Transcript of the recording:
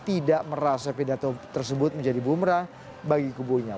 tidak merasa pidato tersebut menjadi bumrah bagi kubunya